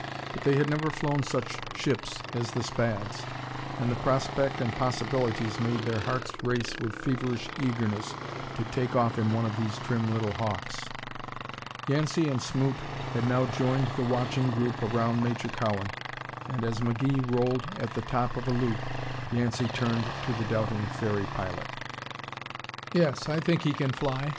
But they had never flown such ships as the Spads, and the prospect and possibilities made their hearts race with feverish eagerness to take off in one of these trim little hawks. Yancey and Smoot had now joined the watching group around Major Cowan, and as McGee rolled at the top of a loop, Yancey turned to the doubting ferry pilot. "Yes, I think he can fly.